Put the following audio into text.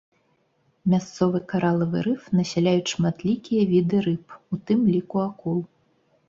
Мясцовы каралавы рыф насяляюць шматлікія віды рыб, у тым ліку акул.